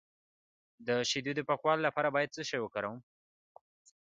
د شیدو د پاکوالي لپاره باید څه شی وکاروم؟